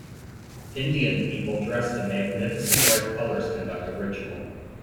Indian people dressed in magnificent bright colors conduct a ritual.